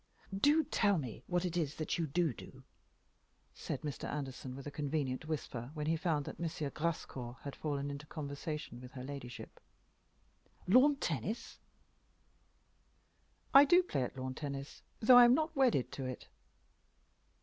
"Do tell me what it is that you do do," said Mr. Anderson, with a convenient whisper, when he found that M. Grascour had fallen into conversation with her ladyship. "Lawn tennis?" "I do play at lawn tennis, though I am not wedded to it."